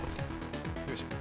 よいしょ。